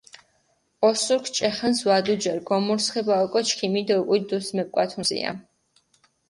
ოსურქ ჭე ხანს ვადუჯერ, გამორსება ოკო ჩქიმი დო უკული დუს მეპკვათუნსია.